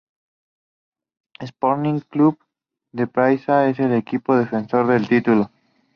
Sporting Clube da Praia es el equipo defensor del título.